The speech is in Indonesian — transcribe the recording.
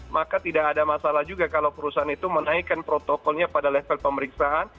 maka tidak ada masalah juga kalau perusahaan itu menaikkan protokolnya pada level pemeriksaan